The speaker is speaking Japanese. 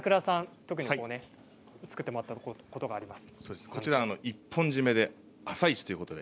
特に作ってもらったものがあります。